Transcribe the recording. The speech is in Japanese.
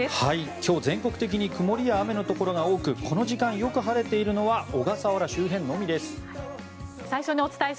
今日、全国的に曇りや雨のところが多くこの時間、よく晴れているのは小笠原周辺のみです。